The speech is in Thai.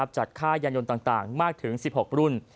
จัดค่ายานยนต์ต่างมากถึง๑๖รุ่น